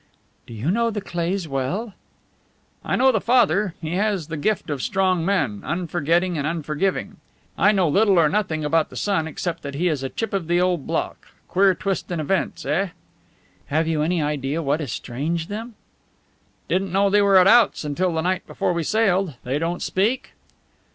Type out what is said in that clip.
"Do you know the Cleighs well?" "I know the father. He has the gift of strong men unforgetting and unforgiving. I know little or nothing about the son, except that he is a chip of the old block. Queer twist in events, eh?" "Have you any idea what estranged them?" "Didn't know they were at outs until the night before we sailed. They don't speak?"